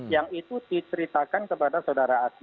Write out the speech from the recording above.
yang itu diceritakan kepada saudara azmin saudara andi